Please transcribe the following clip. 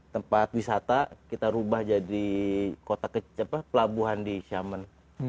tempat wisata kita rubah jadi pelabuhan di xiamen